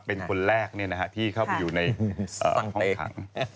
เป็นคนแรกที่เข้าไปอยู่ในห้องขัง